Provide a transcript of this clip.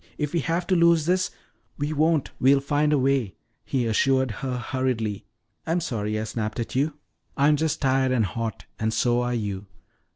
If we have to lose this " "We won't! We'll find a way!" he assured her hurriedly. "I'm sorry I snapped at you. I'm just tired and hot, and so are you.